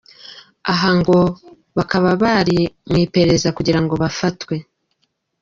Aha ngo bakaba bari mu iperereza kugira ngo bafatwe.